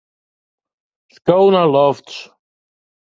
Sko nei lofts.